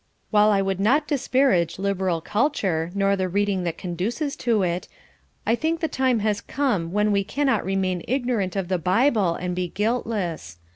While I would not disparage liberal culture, nor the reading that conduces to it, I think the time has come when we cannot remain ignorant of the Bible and be guiltless.